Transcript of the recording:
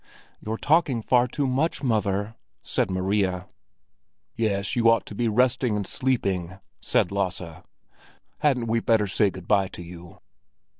"You're talking far too much, mother!" said Maria. "Yes, you ought to be resting and sleeping," said Lasse. "Hadn't we better say good bye to you?"